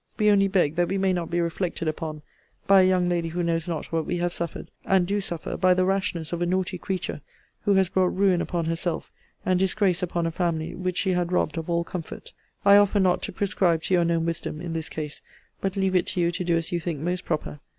We only beg, that we may not be reflected upon by a young lady who knows not what we have suffered, and do suffer by the rashness of a naughty creature who has brought ruin upon herself, and disgrace upon a family which she had robbed of all comfort. I offer not to prescribe to your known wisdom in this case; but leave it to you to do as you think most proper.